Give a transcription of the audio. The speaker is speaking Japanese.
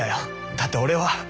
だって俺は。